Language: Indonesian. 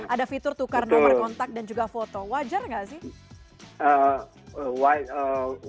ada fitur tukar nomor kontak dan juga foto wajar nggak sih